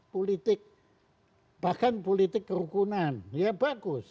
politik bahkan politik kerukunan ya bagus